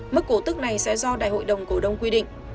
mức cổ tức này sẽ do đại hội đồng cổ đông quy định